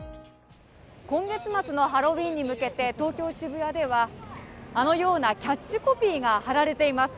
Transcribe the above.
今月末のハロウィーンに向けて東京・渋谷ではあのようなキャッチコピーがはられています。